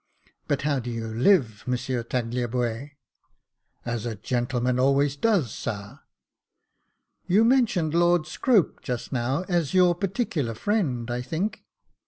But how do you live. Monsieur Tagliabue ?"" As a gentleman always does, sar." " You mentioned Lord Scrope just now as your partic ular friend, I think ?